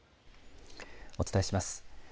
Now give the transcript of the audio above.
お伝えします。